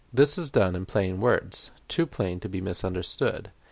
"This is done in plain words too plain to be misunderstood.